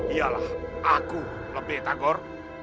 ialah aku lebay tagor